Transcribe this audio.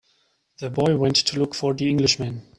The boy went to look for the Englishman.